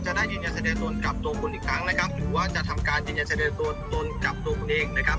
ได้ยืนยันแสดงตนกับตัวคุณอีกครั้งนะครับหรือว่าจะทำการยืนยันแสดงตัวตนกับตัวคุณเองนะครับ